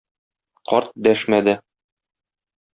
Карт дәшмәде.